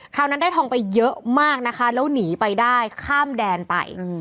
นั้นได้ทองไปเยอะมากนะคะแล้วหนีไปได้ข้ามแดนไป